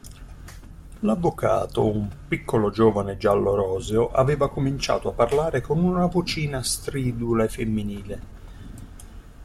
L'avvocato, un piccolo giovane giallo-roseo, aveva cominciato a parlare con vocina stridula e femminile.